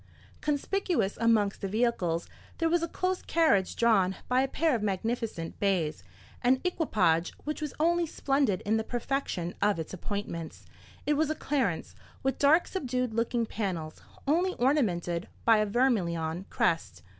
Conspicuous amongst the vehicles there was a close carriage drawn by a pair of magnificent bays—an equipage which was only splendid in the perfection of its appointments. It was a clarence, with dark subdued looking panels, only ornamented by a vermilion crest.